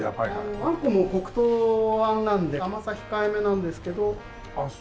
あんこも黒糖あんなんで甘さ控えめなんですけどうまみが。